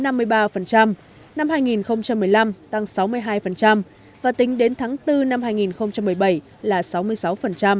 năm hai nghìn một mươi năm tăng sáu mươi hai và tính đến tháng bốn năm hai nghìn một mươi bảy là sáu mươi sáu tính đến tháng sáu năm hai nghìn một mươi bảy dư nợ tín dụng của doanh nghiệp nhỏ và vừa